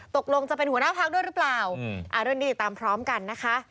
ตกลงจะเป็นหัวหน้าพักด้วยหรือเปล่าเรื่องนี้ติดตามพร้อมกันนะคะ